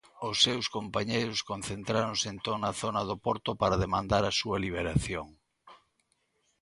Os seus compañeiros concentráronse entón na zona do porto para demandar a súa liberación.